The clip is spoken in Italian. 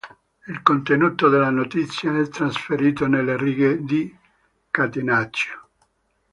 Il contenuto della notizia è trasferito nelle righe di catenaccio.